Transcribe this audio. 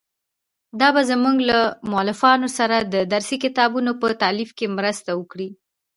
دا به زموږ له مؤلفانو سره د درسي کتابونو په تالیف کې مرسته وکړي.